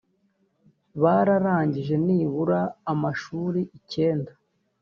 bararangije nibura amashuri icyenda